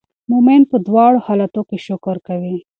مؤمن په دواړو حالاتو کې شکر کوي.